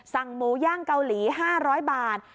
สั่งมูย่างเกาหลีห้าร้อยบาท